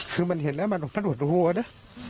คือมันเห็นแล้วมันกระโดดหัวนะ